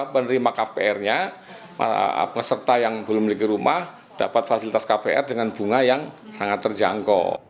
karena peserta yang belum memiliki rumah dapat fasilitas kpr dengan bunga yang sangat terjangkau